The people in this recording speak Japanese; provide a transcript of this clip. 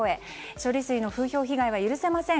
処理水の風評被害は許せません。